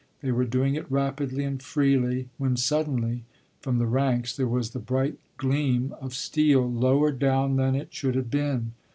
They were doing it rapidly and freely, when suddenly from the ranks there was the bright gleam of steel lower down than it should have been.